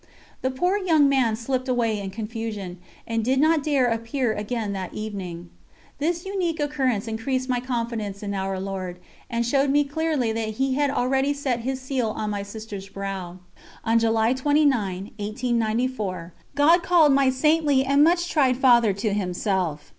The poor young man slipped away in confusion, and did not dare appear again that evening. This unique occurrence increased my confidence in Our Lord, and showed me clearly that He had already set His seal on my sister's brow. On July 29, 1894, God called my saintly and much tried Father to Himself.